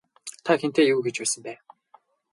Та хэнтэй юу хийж байсан бэ?